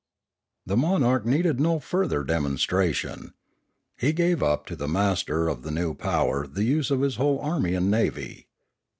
The monarch need no further demonstration. He gave up to the master of the new power the use of his whole army and navy.